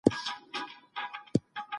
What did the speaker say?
تاسي باید د خپل عزت دپاره مبارزه وکئ.